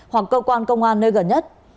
hoặc cơ quan công an nơi gần nhất